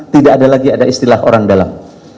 tidak ada lagi ada istilah orang dalam